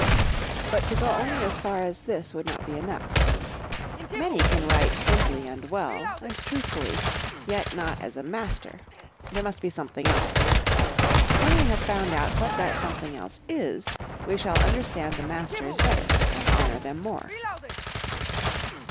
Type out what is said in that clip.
But to go only as far as this would not be enough. Many can write simply and well, and truthfully, yet not as a master. There must be something else. When we have found out what that something else is we shall understand the masters better and honor them more.